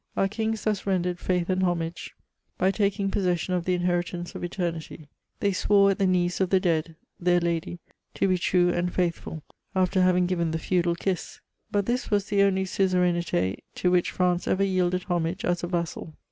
Our kings thus render^ &ith and homage^ CHATEAUBRIAND. 337 by taking possession of the inheritance of etenuty ; they swore at the knees of the dead — their lady — to he true and fisithful — after having given the feudal loss. But this was the only mzeraineti to which France ever yielded homage as a vassal.